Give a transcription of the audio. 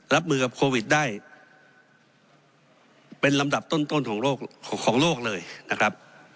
รับมือกับโควิดได้เป็นลำดับต้นของโลกเลยนะครับ